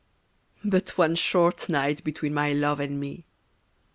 But one short night between my Love and me!